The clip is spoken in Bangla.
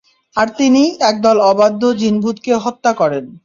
আর তিনিই একদল অবাধ্য জিন-ভূতকে হত্যা করেন।